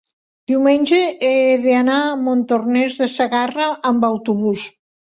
diumenge he d'anar a Montornès de Segarra amb autobús.